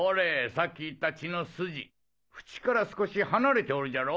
さっき言った血の筋縁から少し離れておるじゃろ？